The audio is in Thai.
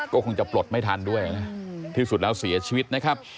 ก็คงจะปลดไม่ทันด้วยนะที่สุดแล้วเสียชีวิตนะครับ